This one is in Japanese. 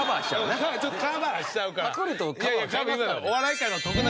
ちょっとカバーしちゃうから。